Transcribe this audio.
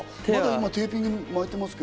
テーピングを巻いていますが。